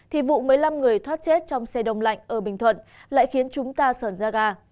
thì vụ một mươi năm người thoát chết trong xe đông lạnh ở bình thuận lại khiến chúng ta sởn ra gà